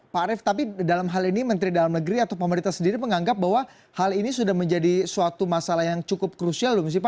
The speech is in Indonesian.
pak arief tapi dalam hal ini menteri dalam negeri atau pemerintah sendiri menganggap bahwa hal ini sudah menjadi suatu masalah yang cukup krusial belum sih pak